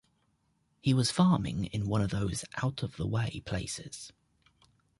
He was farming in one of those out-of-the-way places.